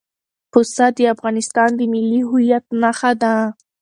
پسه د افغانستان د ملي هویت نښه ده.